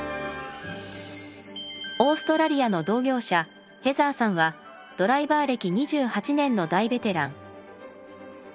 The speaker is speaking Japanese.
オーストラリアの同業者ヘザーさんはドライバー歴２８年の大ベテラン。